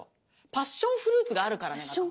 パッションフルーツがあるからなんだと思う。